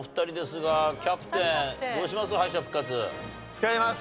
使います。